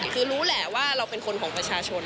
คือรู้แหละว่าเราเป็นคนของประชาชน